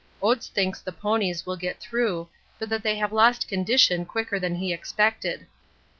Oates thinks the ponies will get through, but that they have lost condition quicker than he expected.